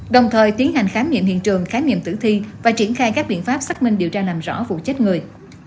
đồng thời tiến hành khám nghiệm hiện trường khám nghiệm tử thi và triển khai các biện pháp xác minh điều tra làm rõ vụ chết người